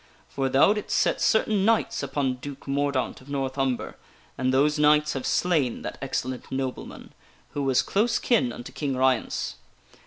For thou didst set certain knights upon Duke Mordaunt of North Umber, and those knights have slain that excellent nobleman, who was close kin unto King Ryence.